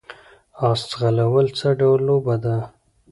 اس ځغلول څه ډول لوبه ده؟